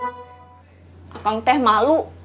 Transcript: neng teh malu